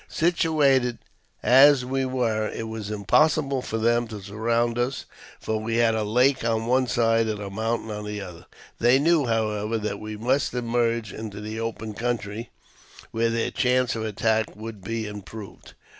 Situated as we were, it was impossible for them to surround us, for we had a lake on one side and a mountain on the other. They knew, however, that we must emerge into the open country, where their chance of attack would be improved.